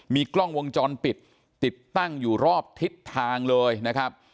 มีกล้องวงจรปิดติดตั้งอยู่รอบทิศทางเลยนะครับ